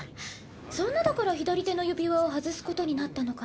そんなだから左手の指輪を外すことになったのかな？